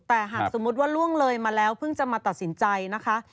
แต่หากสมมุติว่าล่วงเลยมาแล้วเพิ่งจะมาตัดสินใจนะคะ